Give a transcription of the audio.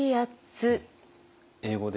英語で？